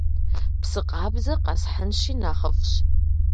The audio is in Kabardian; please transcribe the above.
Псы къабзэ къэсхьынщи нэхъыфӀщ.